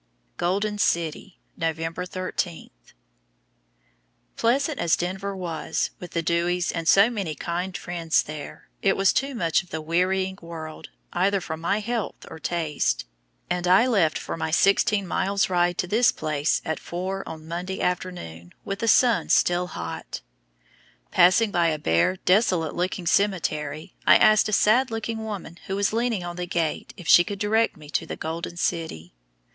GOLDEN CITY, November 13. Pleasant as Denver was, with the Dewys and so many kind friends there, it was too much of the "wearying world" either for my health or taste, and I left for my sixteen miles' ride to this place at four on Monday afternoon with the sun still hot. Passing by a bare, desolate looking cemetery, I asked a sad looking woman who was leaning on the gate if she could direct me to Golden City.